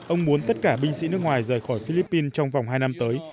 ông muốn tất cả binh sĩ nước ngoài rời khỏi philippines trong vòng hai năm tới